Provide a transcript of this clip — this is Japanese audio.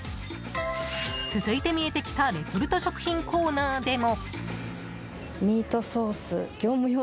続いて見えてきたレトルト食品コーナーでも。